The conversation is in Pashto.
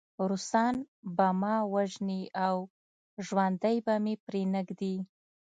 روسان به ما وژني او ژوندی به مې پرېنږدي